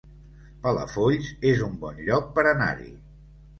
Palafolls es un bon lloc per anar-hi